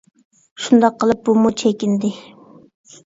شۇنداق قىلىپ بۇمۇ چېكىندى.